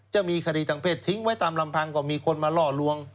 จะมีคดีทางเพศทิ้งไว้ตามลำพังก็มีคนมาล่อลวง